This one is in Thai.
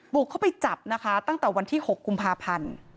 บุกเข้าไปจับนะคะตั้งแต่วันที่๖กุมภาพันธ์